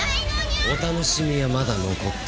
お楽しみはまだ残ってる。